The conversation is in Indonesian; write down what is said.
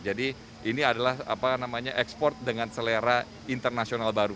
jadi ini adalah ekspor dengan selera internasional baru